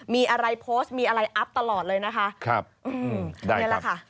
มีอะไรโพสต์มีอะไรอัพตลอดเลยนะคะครับอืมนี่แหละค่ะ